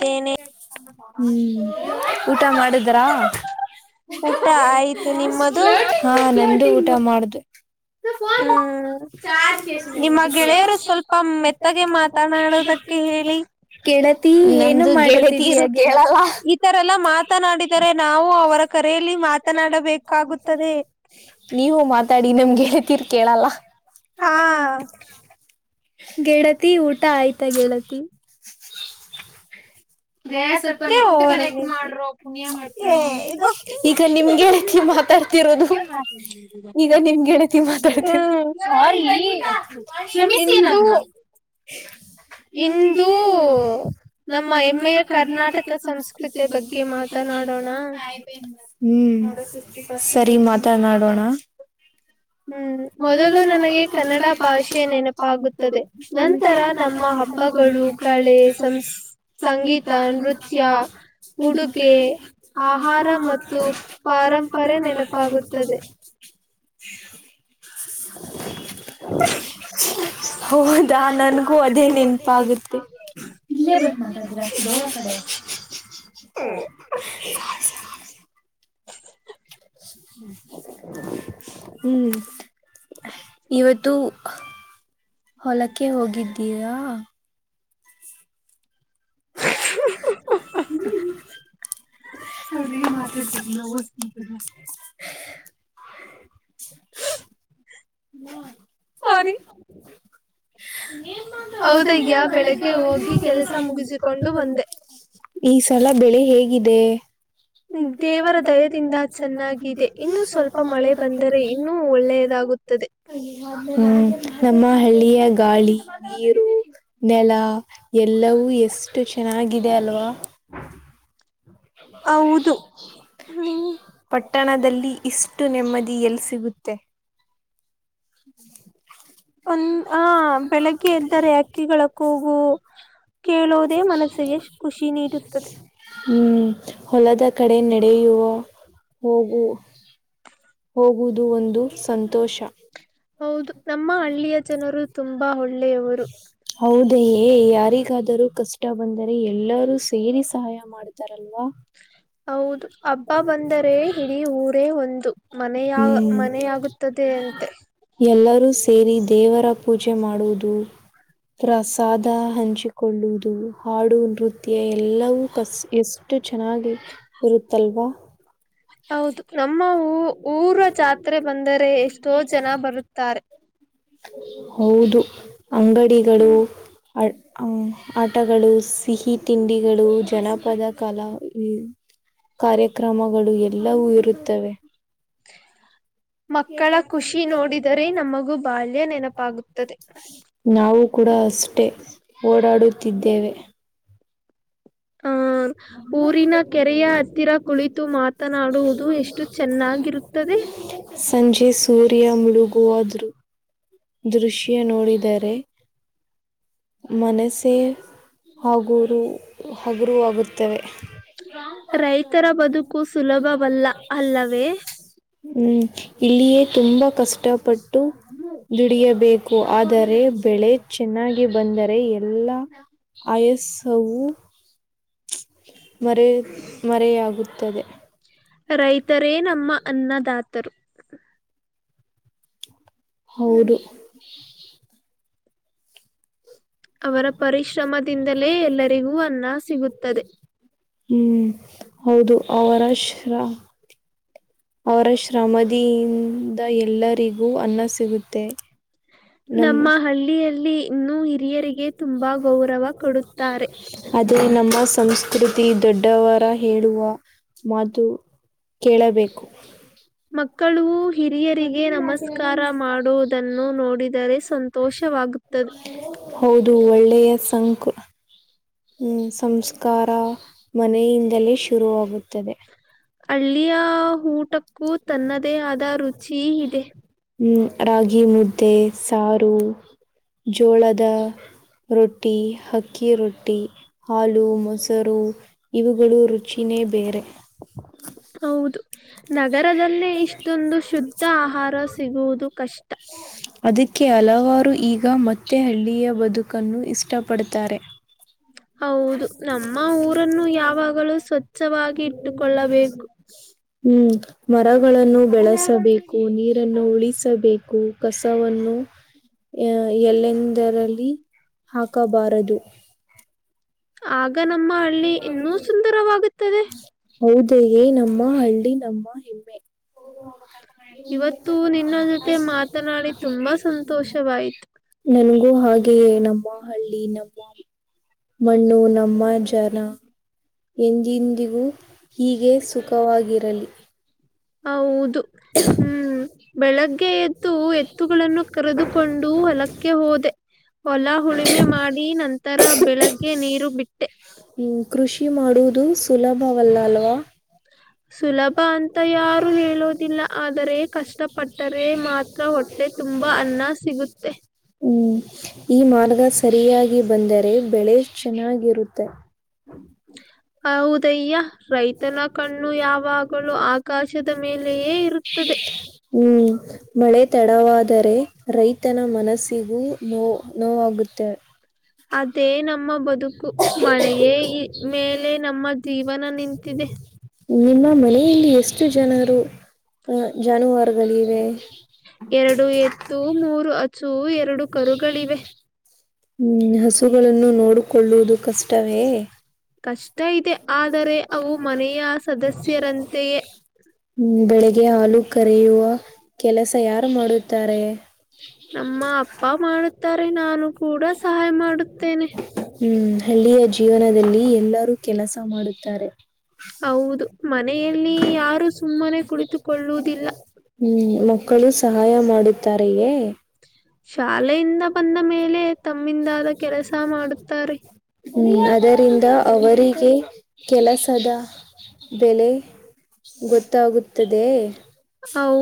ತನ ಆಯ್ತಾ ಆಯ್ತು ನಿಮ್ಮದು ಹ್ಮ್ ನಿಮ್ಮ ಗೆಳೆಯರು ಸ್ವಲ್ಪ ಮೆತ್ತಗೆ ಮಾತನಾಡೋದಕ್ಕೆ ಹೇಳಿ ಈ ತರ ಎಲ್ಲ ಮಾತನಾಡಿದರೆ ನಾವು ಅವರ ಕರೆಯಲ್ಲಿ ಮಾತಡಬೇಕುತ್ತದೆ ನೀವು ಮಾತಾಡಿ ನಮ್ಗೆ ಇ ರೀತಿ ಕೇಳಲ್ಲ ಹಾ ಗೆಳತಿ ಊಟ ಆಯ್ತಾ ಗೆಳತಿ ಹೇ ಇದು ಹ್ಮ ಸ್ವಾರಿ ಇಂದು ಇಂದು ನಮ್ಮ ಹೆಮ್ಮೆಯ ಕರ್ನಾಟಕ ಸಂಸ್ಕೃತಿಯ ಬಗ್ಗೆ ಮಾತನಾಡೋಣ ಹ್ಮ್ ಸರಿ ಮಾತಾನಾಡೋಣ ಹ್ಮ್ ಮೊದಲು ನನಗೆ ಕನ್ನಡ ಭಾಷೆ ನೆನಪಾಗುತ್ತದೆ ನಂತರ ನಮ್ಮ ಹಬ್ಬಗಳು ಕಳೆ ಸುಂಸ್ಕೃತಿ ಸಂಗೀತ ನೃತ್ಯ ಉಡುಗೆ ಆಹಾರ ಮತ್ತು ಪಾರಂಪರೆ ನೆನಪಾಗುತ್ತದೆ [inaudible] [inaudible] ಹೌದಾ ನನ್ಗೂ ಅದೇ ನೆನಪಾಗುತ್ತೆ ದಳ ಕಡೆ [inaudible] ಹ್ಮ್ ಇವತ್ತು ಹೊಲಕ್ಕೆ ಹೋಗಿದ್ದೀರಾ ಹಾ ಹಾ ಹಾ ಅವಿಗೆ ಮಾತಾಡ್ ಸರಿ ಹೌದಯ್ಯ ಬೆಳಿಗ್ಗೆ ಹೋಗಿ ಕೆಲಸ ಮುಗಿಸಿಕೊಂಡು ಬಂದೆ ಈ ಸಲ ಬೆಳೆ ಹೇಗಿದೆ ದೇವರ ದಯದಿಂದ ಚೆನ್ನಾಗಿದೆ ಇನ್ನು ಸ್ವಲ್ಪ ಮಳೆ ಬಂದರೆ ಇನ್ನೂ ಒಳ್ಳೆಯದಾಗುತ್ತೆ ಹ್ಮ್ ನಮ್ಮ ಹಳ್ಳಿಯ ಗಾಳಿ ನೀರು ನೆಲ ಎಲ್ಲವೂ ಎಷ್ಟು ಚೆನ್ನಾಗಿದೆ ಅಲ್ವಾ ಪಟ್ಟಣದಲ್ಲಿ ಇಷ್ಟು ನೆಮ್ಮದಿ ಎಲ್ಲಿ ಸಿಗುತ್ತೆ ತ್ತೆ ಒಂದ ಆ ಬೆಳಿಗ್ಗೆ ಇದ್ದರೆ ಅಕ್ಕಿಗಳ ಕೂಗು ಹ್ಮ್ ಹೊಲದ ಕಡೆ ನಡೆಯುವ ಹೋಗು ಹೋಗುವುದು ಒಂದು ಸಂತ ಹೌದು ನಮ್ಮ ಹಳ್ಳಿಯ ಜನರು ತುಂಬಾ ಒಳ್ಳೆಯವರು ಹೌದೆಯೇ ಯಾರಿಗಾದರೂ ಕಷ್ಟ ಬಂದರೆ ಎಲ್ಲರೂ ಸೇರಿ ಸಹಾಯ ಮಾಡ್ತಾರೆ ಅಲ್ವಾ ಹೌದು ಹಬ್ಬ ಬಂದರೆ ಇಡೀ ಊರೇ ಒಂದು ಮನೆಯ ಮನೆಯಾಗುತ್ತದೆ ಆಗುತ್ತೆ ಅಂತೆ ಎಲ್ಲರೂ ಸೇರಿ ದೇವರ ಪೂಜೆ ಮಾಡುವುದು ಪ್ರಸಾದ ಹಂಚಿ ಕೊಳ್ಳುವುದು ಹಾಡು ನೃತ್ಯ ಎಲ್ಲವೂ ಎಷ್ಟು ಚೆನ್ನಾಗಿ ಇರುತ್ತ ಅಲ್ವಾ ಹೌದು ನಮ್ಮ ಊರ್ ಜಾತ್ರೆ ಬಂದರೆ ಎಷ್ಟೋ ಜನ ಬರುತ್ತಾರೆ [inaudible] ಹೌದು ಅಂಗಡಿಗಳು ಆಟಗಳು ಸಿಹಿ ತಿಂಡಿಗಳು ಜನಪದ ಕಲಾ ಕಾರ್ಯಕ್ರಮಗಳು ಎಲ್ಲವೂ ಇರುತ್ತವೆ [unintelligible] ನಾವು ಕೂಡ ಅಷ್ಟೆ ಓಡಾಡುತ್ತಿದ್ದೇವೆ ಹ ಊರಿನ ಕೆರೆಯ ಹತ್ತಿರ ಕುಳಿತು ಮಾತನಾಡುವುದು ಎಷ್ಟು ಚೆನ್ನಾಗಿರುತ್ತದೆ [inaudible] ಸಂಜೆ ಸೂರ್ಯ ಮುಳುಗುವ ದೃ ದೃಶ್ಯ ನೋಡಿದರೆ ಮನಸೇ ಹುರು ಹಗುರ ಆಗುತ್ತವೆ. ರೈತರ ಬದುಕು ಸುಲಭವಲ್ಲ ಅಲ್ಲವೇ ಹ್ಮ್ ಇಲ್ಲಿಯೇ ತುಂಬಾ ಕಷ್ಟಪಟ್ಟು ದುಡಿಯಬೇಕು ಆದರೆ ಬೆಳೆ ಚೆನ್ನಾಗಿ ಬಂದರೆ ಎಲ್ಲ ಆಯಸ್ವು ಮರೆಯ ಮರೆಯಾಗುತ್ತದೆ ರೈತರೇ ನಮ್ಮ ಅನ್ನದಾತರು ಹೌದು ಅವರ ಪರಿಶ್ರಮದಿಂದಲೇ ಎಲ್ಲರಿಗೂ ಅನ್ನ ಸಿಗುತ್ತದೆ ಹ್ಮ್ ಹೌದು ಅವರ ಶ್ರಮಾ ಅವರ ಶ್ರಮದಿಯಿಂದ ಎಲ್ಲರಿಗೂ ಅನ್ನ ಸಿಗುತ್ತೆ ನಮ್ಮ ಹಳ್ಳಿಯಲ್ಲಿ ಆದೇ ನಮ್ಮ ಸಂಸ್ಕೃತಿ ದೊಡ್ಡವ ವರು ಹೇಳುವ ಮಾತು ಕೇಳಬೇಕು ಮಕ್ಕಳು ಹಿರಿಯರಿಗೆ ನಮಸ್ಕಾರ ಮಾಡುವುದನ್ನು ನೋಡಿದರೆ ಸಂತೋಷ ವಾಗುತ್ತದೆ ಹೌದು ಒಳ್ಳೆಯ ಸಂಸ್ಕಾರ ಮನೆಯಿಂದಲೇ ಶುರುವಾಗುತ್ತದೆ ಹ್ಮ್ ರಾಗಿ ಮುದ್ದೆ ಸಾರು ಜೋಳದ ರೊಟ್ಟಿ ಅಕ್ಕಿ ರೊಟ್ಟಿ ಹಾಲು ಮೊಸರು ಇವುಗಳು ರುಚಿನೇ ಬೇರೆ [inaudible] ಹೌದು ನಗರದಲ್ಲೇ ಇಷ್ಟೊಂದು ಶುದ್ಧ ಆಹಾರ ಸಿಗುವುದು ಕಷ್ಟ ಅದಕ್ಕೆ ಹಲವಾರು ಈಗ ಮತ್ತೆ ಹಳ್ಳಿಯ ಬದುಕನ್ನು ಇಷ್ಟಪಡುತ್ತಾರೆ [unintelligible] ಹ್ಮ್ ಮರಗಳನ್ನು ಬೆಳೆಸಬೇಕು ನೀರನ್ನು ಉಳಿಸಬೇಕು ಕಸವನ್ನು [inaudible] ಅ ಎಲ್ಲೆಂದರಲ್ಲಿ ಹಾಕಬಾರದು ಆಗ ನಮ್ಮ ಹಳ್ಳಿ ಇನ್ನೂ ಸುಂದರವಾಗುತ್ತದೆ ಹೌದ ನಮ್ಮ ಹಳ್ಳಿ ನಮ್ಮ ಹೆಮ್ಮೆ ಇತ್ತು ಮಾತ ನೋಡ ತುಂಬಾ ಸಂತೋಷ ನನ್ ಹಾಗೆಯೇ ನಮ್ಮ ಹಳ್ಳಿ ನಮ್ಮ ಮಣ್ಣು ನಮ್ಮ ಜನ ಎಂದಿಂದಿಗೂ ಹೀಗೆ ಸುಖವಾಗಿರಲಿ ಹೌದು ಹ್ಮ್ ಬೆಳಗ್ಗೆ ಎದ್ದು ಎತ್ತುಗಳನ್ನು ಕರೆದುಕೊಂಡು ಹೊಲಕ್ಕೆ ಹೋದೆ ಹೊಲ ಹುಳುಮೆ ಮಾಡಿ ನಂತರ ಬೆಳಗ್ಗೆ ಕೆ ನೀರು ಬಿಟ್ಟೆ ಕೃಷಿ ಮಾಡುವುದು ಸುಲಭವಲ್ಲ ಅಲ್ವಾ ಪ ಸುಲಭ ಅಂತ ಯಾರು ಹೇಳೋದಿಲ್ಲ ಆದರೆ ಕಷ್ಟಪಟ್ಟರೆ ಮಾತ್ರ ಹೊಟ್ಟೆ ತುಂಬ ತುಂಬಾ ಅನ್ನ ಸಿಗುತ್ತೆ ಹ್ಮ್ ಈ ಮಾರ್ಗ ಸರಿಯಾಗಿ ಬಂದರೆ ಬೆಳೆ ಚೆನ್ನಾಗಿರುತ್ತೆ ಹೌದಯ್ಯ ರೈತನ ಕಣ್ಣು ಯ ಯಾವಾಗಲೂ ಆಕಾಶದ ಮೇಲೆಯೇ ಇರುತ್ತದೆ ಹೂ ಮಳೆ ತಡವಾದರೆ ರೈತನ ಮನಸ್ಸಿಗೂ ನೋ ನೋವಾಗುತ್ತೆ [unintelligible] ನಿಮ್ಮ ಮನೆಯಲ್ಲಿ ಎಷ್ಟು ಜನರು ಹ ಜಾನುವಾರುಗಳಿವೆ ಎರಡು ಎತ್ತು ಮೂರು ಅಸು ಎರಡು ಕರುಗಳಿವೆ ಹ್ಮ್ ಹಸುಗಳನ್ನು ನೋಡಿಕೊಳ್ಳುವುದು ಕಷ್ಟವೇ ಕಷ್ಟ ಇದೆ ಆದರೆ ಅವು ಮನೆಯ ಹ್ಮ್ ಬೆಳಿಗ್ಗೆ ಹಾಲು ಕರೆಯುವ ಕೆಲಸ ಯಾರು ಮಾಡುತ್ತಾರೆ ಅಮ್ಮ ಅಕ್ಕ ನಾನು ತುಂಬಾ ಸಹಾಯ ಮಾಡುತ್ತೆನೆ ಹು ಹಳ್ಳಿಯ ಜೀವನದಲ್ಲಿ ಎಲ್ಲರೂ ಕೆಲಸ ಮಾಡುತ್ತಾರೆ ಹೌದು ಮನೆಯಲ್ಲಿ ಯಾರು ಸುಮ್ಮನೆ ಕೂತುಕೊಳ್ಳುದಿಲ್ಲ ಹ್ಮ್ ಮಕ್ಕಳು ಸಹಾಯ ಮಾಡುತ್ತಾರೆಯೇ [unintelligible] ಶಾಲೆ ಇಂದ ಬಂದ ಮೇಲೆ ಸುಮ್ಮನೆ ಕುಳಿತಿರುವೆ ಹು ಅದೇ ರಿಂದ ಅವರಿಗೆ ಕೆಲಸದ ಬೆಲೆ ಗೊತ್ತಾಗುತ್ತದೆಯೆ ಹೂ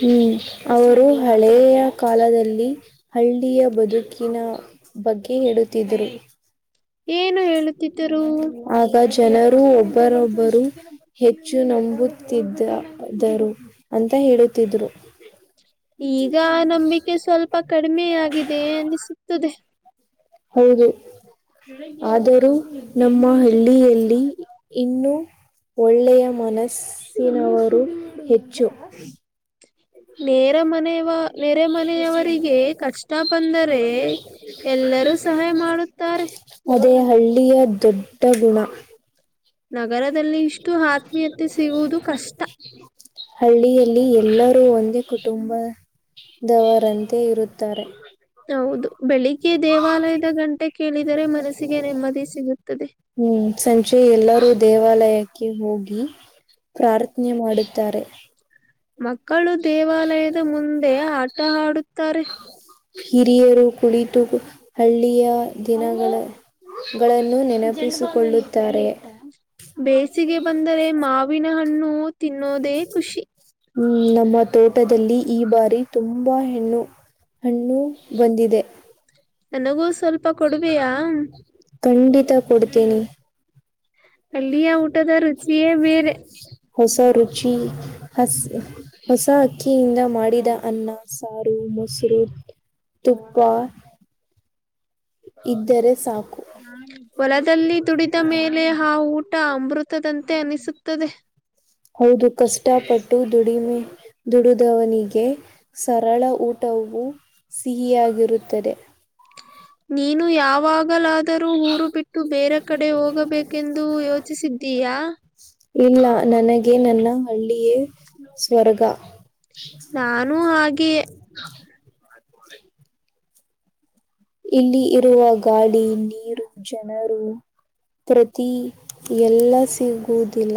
ಹ್ಮ್ ಅವರು ಹಳೆಯ ಕಾಲದಲ್ಲಿ ಹಳ್ಳಿಯ ಬದುಕಿನ ಬಗ್ಗೆ ಹೇಳುತ್ತಿದ್ದರು ಆಗ ಜನರು ಒಬ್ಬರೊಬ್ಬರು ಹೆಚ್ಚು ನಂಬು ನಂಬುತ್ತಿದ್ದ ದರು ಅಂತ ಹೇಳುತ್ತಿದ್ರು ಈಗ ನಂಬಿಕೆ ಸ್ವಲ್ಪ ಕಡಿಮೆ ಆಗಿದೆ ಅನಿಸುತ್ತದೆ ಹೌದು ಆದರೂ ನಮ್ಮ ಹಳ್ಳಿಯಲ್ಲಿ ಇನ್ನೂ ಒಳ್ಳೆಯ ಮನಸ್ಸಿನವರು ಹೆಚ್ಚು ನೇರ ಮನೆಯವರಿಗೆ ಕಷ್ಟ ಬಂದರೆ ಏ ಅದೇ ಹಳ್ಳಿಯ ದೊಡ್ಡ ಗುಣ ಹಳ್ಳಿಯಲ್ಲಿ ಎಲ್ಲರು ಒಂದೇ ಕುಟುಂಬದವರಂತೆ ಇರುತ್ತಾರೆ ಹೌದು ಬೆಳಿಗ್ಗೆ ದೇವಾಲಯದ ಗಂಟೆ ಕೇಳಿದರೆ ಮನಸ್ಸಿಗೆ ನೆಮ್ಮದಿ ಸಿಗುತ್ತದೆ ಹ್ಮ್ ಸಂಜೆ ಎಲ್ಲರೂ ದೇವಾಲಯಕ್ಕೆ ಹೋಗಿ ಪ್ರಾರ್ಥನೆ ಮಾಡುತ್ತಾರೆ ಮಕ್ಕಳು ದೇವಾಲಯದ ಮುಂದೆ ಆಟ ಆಡುತ್ತಾರೆ ಹಿರಿಯರು ಕುಳಿತು ಹಳ್ಳಿಯ ದಿನಗಳ ಮಕ್ಕಳನ್ನು ನೆನಪಿಸಿಕೊಳ್ಳುತ್ತಾರೆ ಬೇಸಿಗೆ ಬಂದರೆ ಮಾವಿನ ಹಣ್ಣು ತಿನ್ನೋದೇ ಖುಷಿ ಹ್ಮ್ ನಮ್ಮ ತೋಟದಲ್ಲಿ ಈ ಬಾರಿ ತುಂಬಾ ಹೆಣ್ಣು ಹಣ್ಣು ಬಂದಿದೆ ಖಂಡಿತ ಕೊಡ್ತೇನಿ ಹೊಸ ರುಚಿ ಹಸ್‌ ಹೊಸ ಅಕ್ಕಿಯಿಂದ ಮಾಡಿದ ಅನ್ನ ಸಾರು ಹಾಲು ಮೊಸರು ತುಪ್ಪ ಇದ್ದರೆ ಸಾಕು ಹೊಲದಲ್ಲಿ ದುಡಿದ ಮೇಲೆ ಆ ಊಟ ಅಮೃತದಂತ ದಂತೆ ಅನಿಸುತ್ತದೆ ಹೌದು ಕಷ್ಟಪಟ್ಟು ದುಡಿಮೆ ದುಡಿದವನಿಗೆ ಸರಳ ಊಟವು ಸಿಹಿಯಾಗಿರುತ್ತದೆ ನೀನು ಯಾವಾಗ ಟ್ಟು ಬೇರೆ ಕಡೆ ಹೋಗಬೇಕು ಎಂದು ಯೋಚಿಸಿದ್ದೀಿ ಇಲ್ಲ ನನಗೇನನ್ನ ಹಳ್ಳಿಯೇ ಸ್ವರ್ಗ ಇಲ್ಲಿ ಇರುವ ಗಾಳಿ ನೀರು ಜನರು ಪ್ರತಿ ಎಲ್ಲ ಸಿಗುವುದಿಲ್ಲ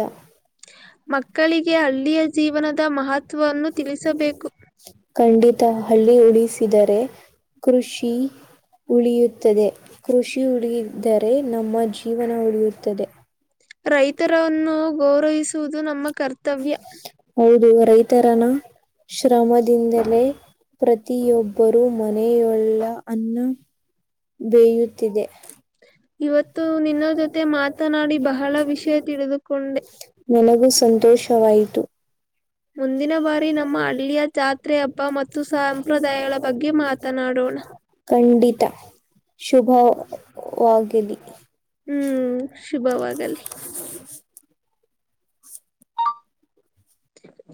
ಮಕ್ಕಳಿಗೆ ಹಳ್ಳಿಯ ಜೀವನದ ಮಹತ್ವವನ್ನು ತಿಳಿಸಬೇಕು ಖಂಡಿತ ಹಳ್ಳಿ ಉಳಿಸಿದರೆ ಕೃಷಿ ಉಳಿಯುತ್ತದೆ ಕಖೃಷಿ ಉಡಿಯಿದರೆ ನಮ್ಮ ಜೀವನ ಉಡಿಯುತ್ತದೆ ರೈತರನ್ನು ಗೌರವಿಸುವುದು ನಮ್ಮ ಕರ್ತವ್ಯ ಹೌದು ರೈತರನ ಶ್ರಮದಿಂದಲೇ ಪ್ರತಿಯೊಬ್ಬರೂ ಮನೆಯಳ್ಳ ಅನ್ನ ಬೇಯುತ್ತಿದೆ ಇವತ್ತು ನಿನ್ನ ಜೊತೆ ಮಾತನಾಡಿ ಬಹಳ ವಿಷಯ ತಿಳಿದುಕೊಂಡೆ ನನಗೂ ಸಂತೋಷವಾಯಿತು ಮುಂದಿನ ಬಾರಿ ನಮ್ಮ ಅಳ್ಳಿಯ ಜಾತ್ರಿ ಅಪ್ಪ ಮತ್ತು ಸಸ ಸಲ್ಲ ಪತ್ ಮಾತ ಖಂಡಿತ ಶುಭ ವಾಗಲಿ ಹ್ಮ [unintelligible]